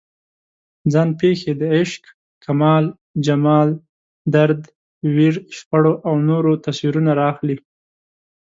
ځان پېښې د عشق، کمال، جمال، درد، ویر، شخړو او نورو تصویرونه راخلي.